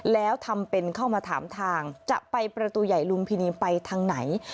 แล้วทำเป็นเข้ามาถามทางจะไปประตูใหญ่ลุงพินีไปทางไหน